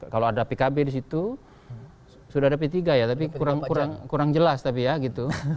kalau ada pkb di situ sudah ada p tiga ya tapi kurang jelas tapi ya gitu